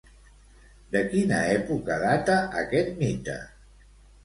De quina època data aquest mite?